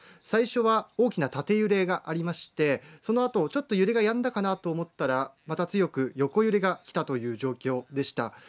最初は大きな縦揺れがありまして、そのあとちょっと揺れがやんだかなと思ったら、また強く横揺れがきたという状況でした。